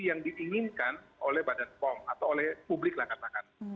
yang diinginkan oleh badan pom atau oleh publik lah katakan